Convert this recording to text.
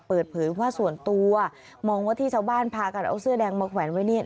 เปิดเผยว่าส่วนตัวมองว่าที่ชาวบ้านพากันเอาเสื้อแดงมาแขวนไว้เนี่ย